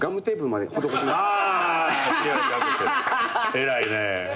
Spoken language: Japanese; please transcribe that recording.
偉いね。